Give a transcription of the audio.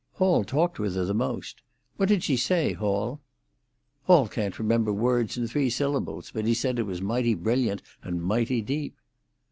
"Hall talked with her the most. What did she say, Hall?" "Hall can't remember words in three syllables, but he says it was mighty brilliant and mighty deep."